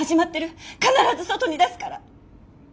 必ず外に出すから！